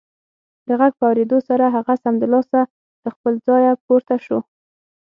د غږ په اورېدو سره هغه سمدلاسه له خپله ځايه پورته شو